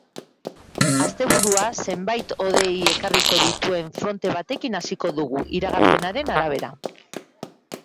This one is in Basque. Asteburua zenbait hodei ekarriko dituen fronte batekin hasiko dugu, iragarpenaren arabera.